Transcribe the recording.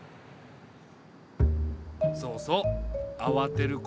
そうそうあわてることないぞ。